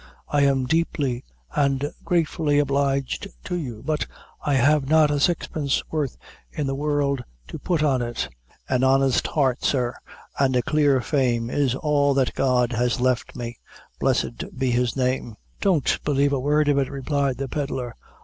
I am deeply and gratefully obliged to you; but I have not a sixpence worth in the world to put on it. An honest heart, sir, an' a clear fame, is all that God has left me, blessed be His name." "Don't b'lieve a word of it," replied the Pedlar.